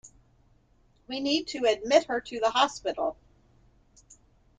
We need to admit her to the hospital.